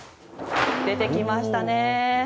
出てきましたね。